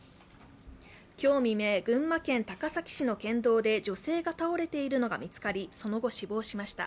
今日未明、群馬県高崎市の県道で、女性が倒れているのが見つかり、その後、死亡しました。